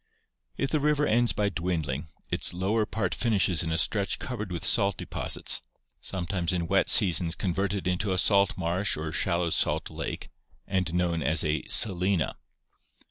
" If the river ends by dwindling, its lower part finishes in a stretch covered with salt deposits, sometimes in wet seasons con verted into a salt marsh or shallow salt lake, and known as a salina.